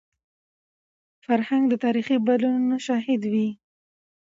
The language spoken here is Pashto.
فرهنګ د تاریخي بدلونونو شاهد وي.